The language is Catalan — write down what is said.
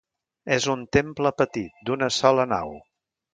És un temple petit, d'una sola nau.